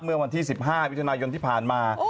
เมื่อวันที่๑๕วิทยาลัยยนต์ที่ผ่านมา